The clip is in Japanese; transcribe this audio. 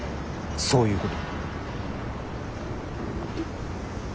そういうこと。